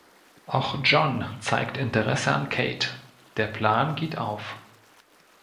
Auch John zeigt Interesse an Kate, der Plan geht auf.